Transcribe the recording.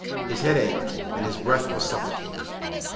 His head ached, and his breath was suffocated.